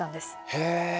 へえ。